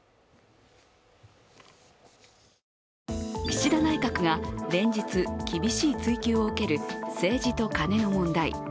岸田内閣が連日、厳しい追及を受ける政治とカネの問題。